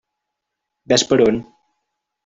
Ves per on!